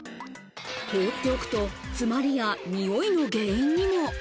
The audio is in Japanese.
ほうっておくと詰まりや臭いの原因にも。